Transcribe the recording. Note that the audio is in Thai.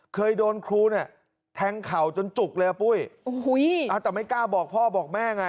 เคยโดนครูเนี่ยแทงเข่าจนจุกเลยอ่ะปุ้ยโอ้โหแต่ไม่กล้าบอกพ่อบอกแม่ไง